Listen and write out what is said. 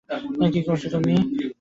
কি করছ তুমি?